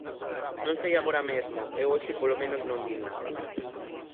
Non sei agora mesmo, eu hoxe polo menos non vin nada.